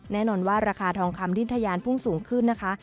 แน่นอนว่าราคาทองคำดินทะยานพุ่งสูงขึ้นนะคะ